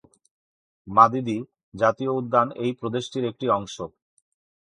মাদিদি জাতীয় উদ্যান এই প্রদেশের একটি অংশ।